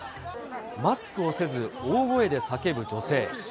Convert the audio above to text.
マスクをせず大声で叫ぶ女性。